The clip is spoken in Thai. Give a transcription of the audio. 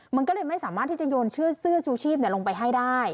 มันก็เลยไม่สามารถที่จะโยนเสื้อชูชีพลงไปให้ได้